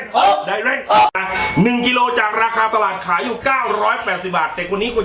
คืนกิโลครับคุณแป้ง๑กิโลครับผมจริงนะนี่ครับ